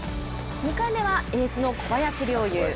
２回目はエースの小林陵侑。